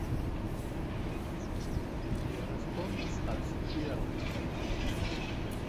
Li respondis al sopiro.